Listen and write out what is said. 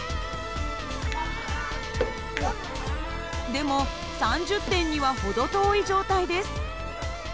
でも３０点には程遠い状態です。